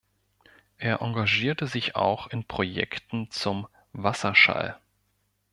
Er engagierte sich auch in Projekten zum Wasserschall.